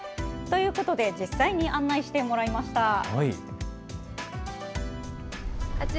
ということで、実際に案内してもらいました。